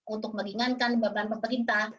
untuk meringankan beban pemerintah